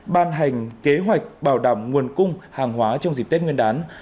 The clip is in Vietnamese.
ban hành kế hoạch bảo đảm nguồn cung hàng hóa trong dịp tết nguyên đán